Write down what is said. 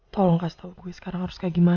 tolong kasih tahu gue sekarang harus kayak gimana